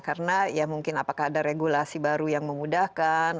karena ya mungkin apakah ada regulasi baru yang memudahkan